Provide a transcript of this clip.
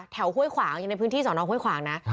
ห้วยขวางอยู่ในพื้นที่สอนองห้วยขวางนะ